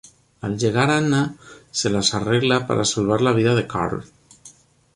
Al llegar Anna se las arregla para salvar la vida de Karl.